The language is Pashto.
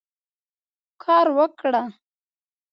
کار وکړه.